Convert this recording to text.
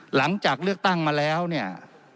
หลังจากเลือกตั้งมาแล้วเนี่ย